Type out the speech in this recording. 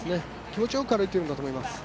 気持ちよく歩いているんだと思います。